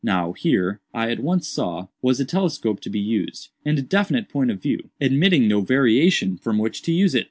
Now here, I at once saw, was a telescope to be used, and a definite point of view, admitting no variation, from which to use it.